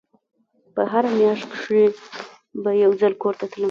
په هره مياشت کښې به يو ځل کور ته تلم.